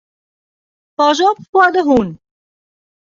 Pas op foar de hûn.